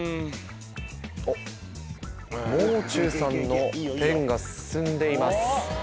「もう中」さんのペンが進んでいます。